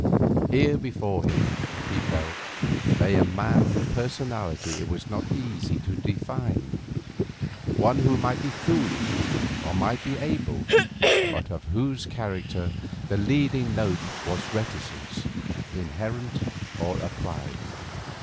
Here before him, he felt, lay a man whose personality it was not easy to define, one who might be foolish, or might be able, but of whose character the leading note was reticence, inherent or acquired.